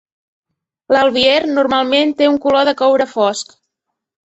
L'altbier normalment té un color de coure fosc.